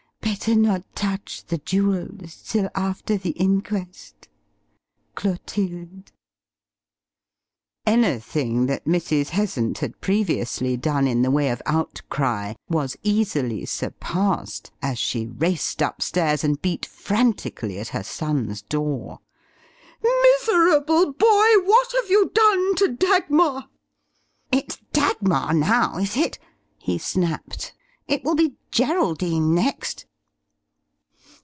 Better not touch the jewels till after the inquest. "CLOTILDE." Anything that Mrs. Heasant had previously done in the way of outcry was easily surpassed as she raced upstairs and beat frantically at her son's door. "Miserable boy, what have you done to Dagmar?" "It's Dagmar now, is it?" he snapped; "it will be Geraldine next."